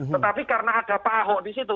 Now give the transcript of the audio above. tetapi karena ada pak ahok disitu